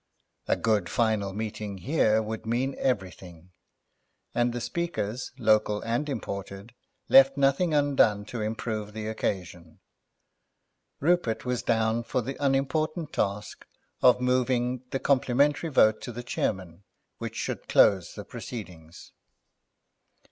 A good final meeting here would mean everything. And the speakers, local and imported, left nothing undone to improve the occasion. Rupert was down for the unimportant task of moving the complimentary vote to the chairman which should close the proceedings.